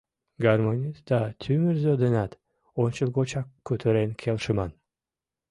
Гармонист да тӱмырзӧ денат ончылгочак кутырен келшыман.